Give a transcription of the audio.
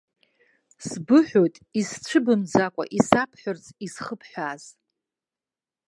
Сбыҳәоит исцәыбымӡакәа исабҳәарц изхыбҳәааз!